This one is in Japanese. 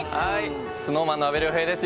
ＳｎｏｗＭａｎの阿部亮平です。